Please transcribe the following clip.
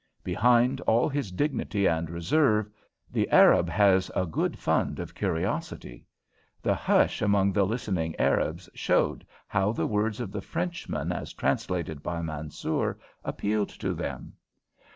Behind all his dignity and reserve, the Arab has a good fund of curiosity. The hush among the listening Arabs showed how the words of the Frenchman as translated by Mansoor appealed to them.